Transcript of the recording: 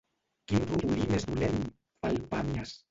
Quin rodolí més dolent! –fa el Pàmies.